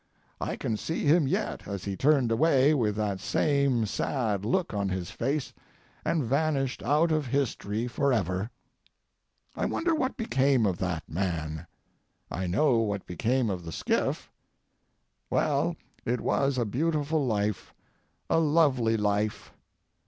I can see him yet as he turned away with that same sad look on his face and vanished out of history forever. I wonder what became of that man. I know what became of the skiff. Well, it was a beautiful life, a lovely life.